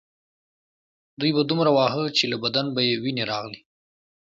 دوی به دومره واهه چې له بدن به یې وینې راغلې